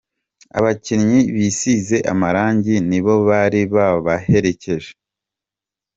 Abakinnyi bisize amarangi nibo bari babaherekeje.